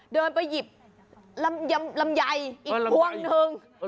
เดินไปหยิบลำไยอีกพวงหนึ่ง